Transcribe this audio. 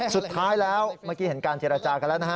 สุดท้ายแล้วเมื่อกี้เห็นการเจรจากันแล้วนะฮะ